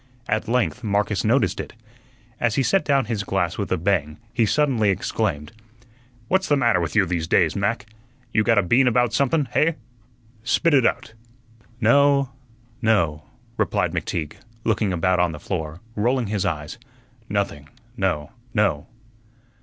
At length Marcus noticed it. As he set down his glass with a bang he suddenly exclaimed: "What's the matter with you these days, Mac? You got a bean about somethun, hey? Spit ut out." "No, no," replied McTeague, looking about on the floor, rolling his eyes; "nothing, no, no."